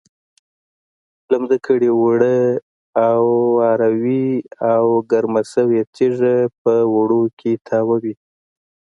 لمده کړې اوړه اواروي او ګرمه شوې تیږه په اوړو کې تاووي.